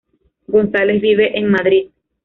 González vive en Madrid.